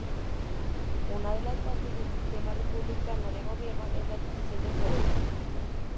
Una de las bases del sistema republicano de gobierno es la división de poderes.